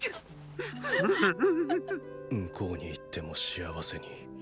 向こうに行っても幸せに。